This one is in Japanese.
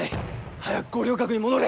早く五稜郭に戻れ。